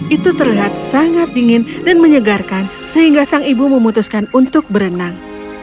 itu terlihat sangat dingin dan menyegarkan sehingga sang ibu memutuskan untuk berenang